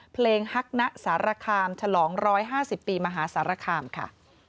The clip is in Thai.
เพลงฮักณสารคามฉลอง๑๕๐ปีมหาสารคามค่ะ